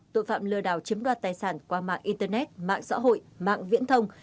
tội phạm lừa đảo chiếm đoạt tài sản qua mạng internet mạng xã hội mạng viễn thông